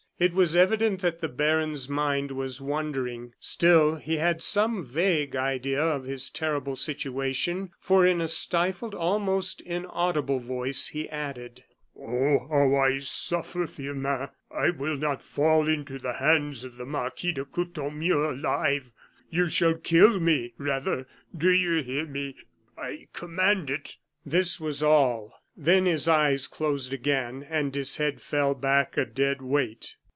It was evident that the baron's mind was wandering. Still he had some vague idea of his terrible situation, for in a stifled, almost inaudible voice, he added: "Oh! how I suffer! Firmin, I will not fall into the hands of the Marquis de Courtornieu alive. You shall kill me rather do you hear me? I command it." This was all; then his eyes closed again, and his head fell back a dead weight.